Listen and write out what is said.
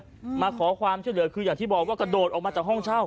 อืมมาขอความช่วยเหลือคืออย่างที่บอกว่ากระโดดออกมาจากห้องเช่า